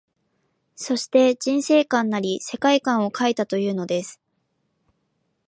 そして、人世観なり世界観を描いたというのです